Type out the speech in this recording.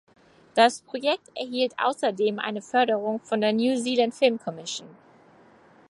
Das Projekt erhielt außerdem eine Förderung von der New Zealand Film Commission.